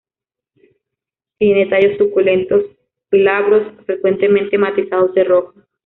Tiene tallos suculentos, glabros, frecuentemente matizados de rojo.